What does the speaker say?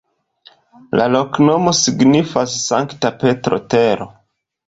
La loknomo signifas Sankta Petro-tero.